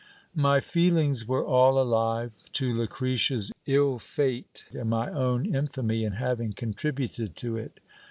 My feelings were all alive to Lucretia's ill fate, and my own infamy in having contributed to it.